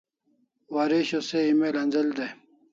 Waresho se email anz'el dai